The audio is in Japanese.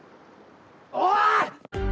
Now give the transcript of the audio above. おい‼